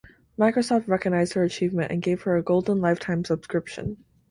Microsoft recognized her achievement and gave her a golden lifetime subscription.